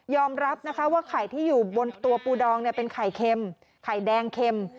รับนะคะว่าไข่ที่อยู่บนตัวปูดองเป็นไข่เค็มไข่แดงเข็ม